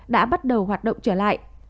đã bắt đầu hoạt động trở lại